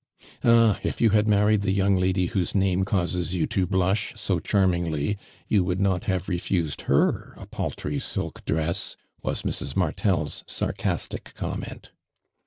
''Ah, if you had married the yoimg lady whose name causes you to blush so charm ingly, you would not have refused her a paltry silk dress !" was Mrs. Martel's sar castic comment.